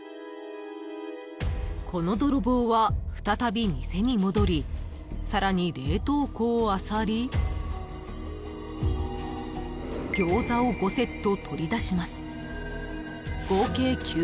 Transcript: ［このドロボーは再び店に戻りさらに冷凍庫をあさり餃子を５セット取り出します］